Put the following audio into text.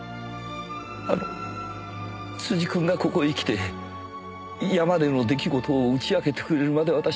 辻くんがここへ来て山での出来事を打ち明けてくれるまで私は。